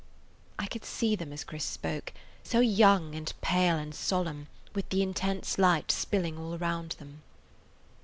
(I could see them as Chris spoke, so young and pale and solemn, with the intense light spilling all around them.)